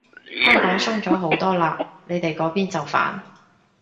香港鬆咗好多嘞，你哋嗰邊就煩